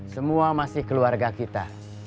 semua masih keluarga kita